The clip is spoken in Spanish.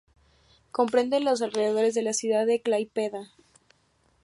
Comprende los alrededores de la ciudad de Klaipėda.